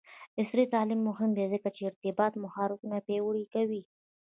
عصري تعلیم مهم دی ځکه چې د ارتباط مهارتونه پیاوړی کوي.